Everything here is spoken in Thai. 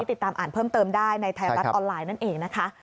ติดตามอ่านเพิ่มเติมได้ในไทยรัฐออนไลน์นั่นเองนะคะ